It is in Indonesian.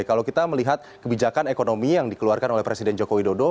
kalau kita melihat kebijakan ekonomi yang dikeluarkan oleh presiden joko widodo